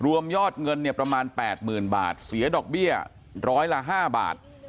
ยอดเงินเนี่ยประมาณ๘๐๐๐บาทเสียดอกเบี้ยร้อยละ๕บาท